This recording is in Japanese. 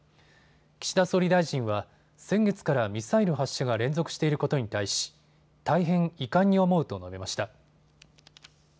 岸田総理大臣は先月からミサイル発射が連続していることに対し大変、遺憾に思うと述べました。